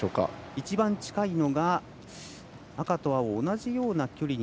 一番近いのが赤と青、同じような距離に